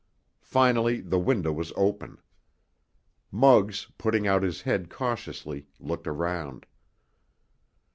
Finally the window was open. Muggs, putting out his head cautiously, looked around.